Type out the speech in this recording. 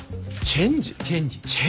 チェンジ！